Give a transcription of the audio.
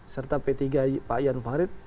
serta p tiga pak ian farid